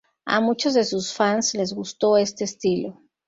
A muchos de sus fans les gustó este estilo.